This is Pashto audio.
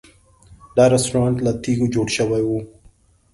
دا رسټورانټ له تیږو جوړ شوی و.